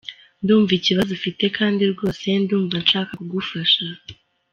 Ndumva ikibazo ufite kandi rwose ndumva nshaka kugufasha.